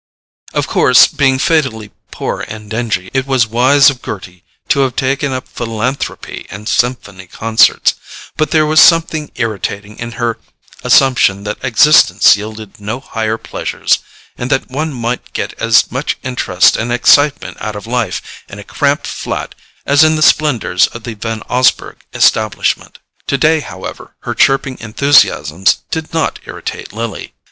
Of course, being fatally poor and dingy, it was wise of Gerty to have taken up philanthropy and symphony concerts; but there was something irritating in her assumption that existence yielded no higher pleasures, and that one might get as much interest and excitement out of life in a cramped flat as in the splendours of the Van Osburgh establishment. Today, however, her chirping enthusiasms did not irritate Lily.